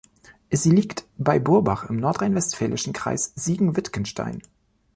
Sie liegt bei Burbach im nordrhein-westfälischen Kreis Siegen-Wittgenstein.